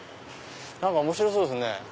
何か面白そうですね。